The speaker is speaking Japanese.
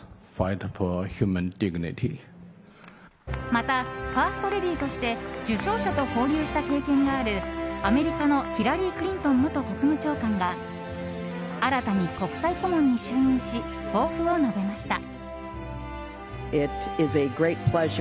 またファーストレディーとして受賞者と交流した経験があるアメリカのヒラリー・クリントン元国務長官が新たに国際顧問に就任し抱負を述べました。